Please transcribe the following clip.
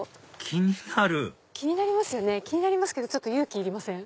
気になる気になるけど勇気いりません？